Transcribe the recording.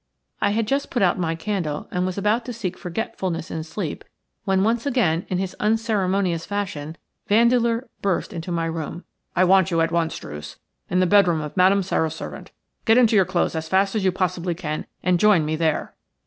I had just put out my candle and was about to seek forgetfulness in sleep when once again in his unceremonious fashion Vandeleur burst into my room. "I want you at once, Druce, in the bed room of Madame Sara's servant. Get into your clothes as fast as you possibly can and join me there."